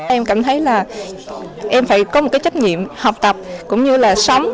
em cảm thấy là em phải có một cái trách nhiệm học tập cũng như là sống